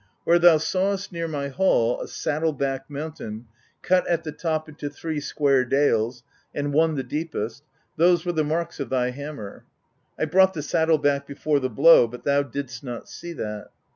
Where thou sawest near my hall a saddle backed mountain, cut at the top into three square dales, and one the deepest, those were the marks of thy hammer. I brought the saddle back before the blow, but thou didst not see that.